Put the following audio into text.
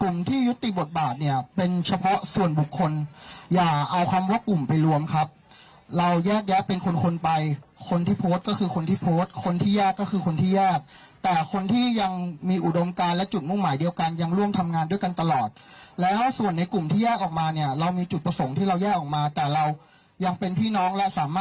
ที่ยุติบทบาทเนี่ยเป็นเฉพาะส่วนบุคคลอย่าเอาคำว่ากลุ่มไปรวมครับเราแยกแยะเป็นคนคนไปคนที่โพสต์ก็คือคนที่โพสต์คนที่ยากก็คือคนที่ยากแต่คนที่ยังมีอุดมการและจุดมุ่งหมายเดียวกันยังร่วมทำงานด้วยกันตลอดแล้วส่วนในกลุ่มที่แยกออกมาเนี่ยเรามีจุดประสงค์ที่เราแยกออกมาแต่เรายังเป็นพี่น้องและสามารถ